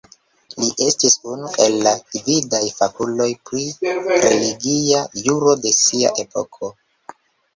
Li estis unu el la gvidaj fakuloj pri religia juro de sia epoko.